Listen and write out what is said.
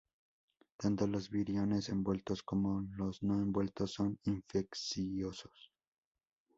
Tanto los viriones envueltos como los no envueltos son infecciosos.